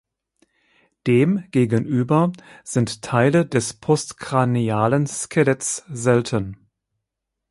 Dem gegenüber sind Teile des postcranialen Skeletts selten.